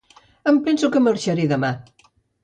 Em penso que marxaré demà.